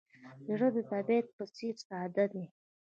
زړه د طبیعت په څېر ساده دی.